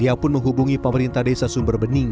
ia pun menghubungi pemerintah desa sumberbening